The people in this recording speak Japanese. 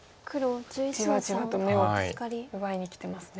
じわじわと眼を奪いにきてますね。